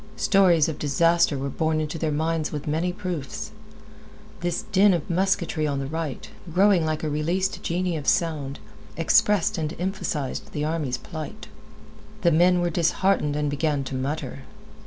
Stories of disaster were borne into their minds with many proofs. This din of musketry on the right, growing like a released genie of sound, expressed and emphasized the army's plight. The men were disheartened and began to mutter.